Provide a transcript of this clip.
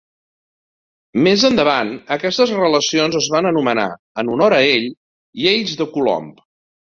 Més endavant aquestes relacions es van anomenar, en honor a ell, lleis de Coulomb.